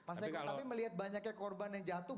mas eko tapi melihat banyaknya korban yang jatuh